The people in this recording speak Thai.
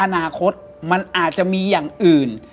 อนาคตมันอาจจะมีอย่างอื่น